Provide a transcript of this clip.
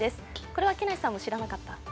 これは木梨さんも知らなかった？